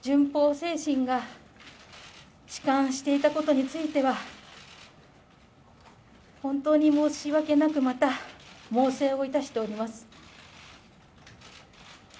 精神が弛緩していたことについては本当に申し訳なく、また猛省をいたしております。